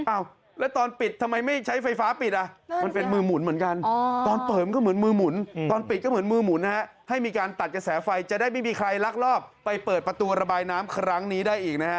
อ้าวแล้วตอนปิดทำไมไม่ใช้ไฟฟ้าปิดอ่ะ